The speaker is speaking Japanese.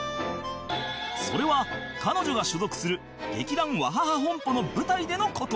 それは彼女が所属する劇団 ＷＡＨＡＨＡ 本舗の舞台での事